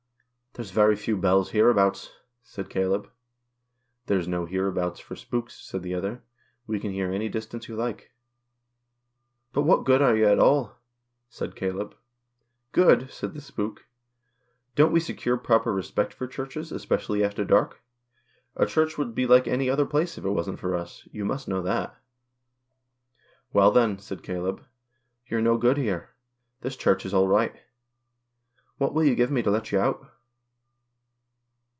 " There's very few bells hereabouts," said Caleb. " There's no hereabouts for spooks," said the other. " We can hear any distance you like." " But what good are you at all?" said Caleb. " Good !" said the spook. " Don't we secure proper respect for Churches, especially after dark ? A Church would be like any other place if it wasn't for us. You must know that." "Well, then," said Caleb, "you're no good here. This Church is all right. What will you give me to let you out